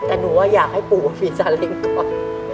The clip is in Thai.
แต่หนูอยากให้ปูมีสาเล็งก่อน